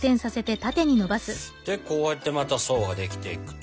でこうやってまた層ができていくと。